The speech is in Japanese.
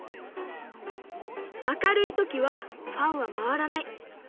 明るい時はファンは回らない。